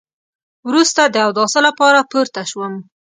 وروسته د اوداسه لپاره پورته شوم.